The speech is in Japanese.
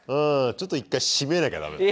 ちょっと一回締めなきゃダメかもね。